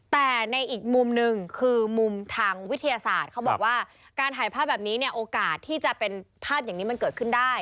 แต่ในอีกมุมหนึ่งคือมุมทางวิทยาศาสตร์เขาบอกว่าการถ่ายภาพแบบนี้เนี่ยโอกาสที่จะเป็นภาพอย่างนี้มันเกิดขึ้นได้